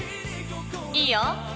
いいよ。